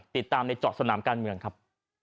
ติดตามในเจาะสนามการเมืองครับ